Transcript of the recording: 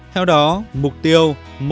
theo đó mục tiêu